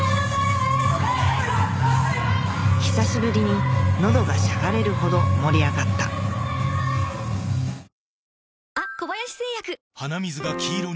久しぶりに喉がしゃがれるほど盛り上がったお？